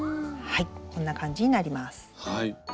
はいこんな感じになります。